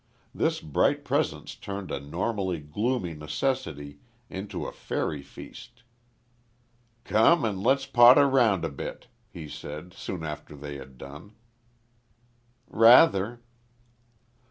This bright presence turned a normally gloomy necessity into a fairy feast. "Come and let's potter round a bit," he said, soon after they had done. "Rather."